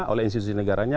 oleh institusi negaranya